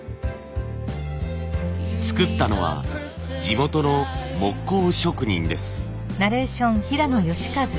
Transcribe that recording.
作ったのは地元の木工職人です。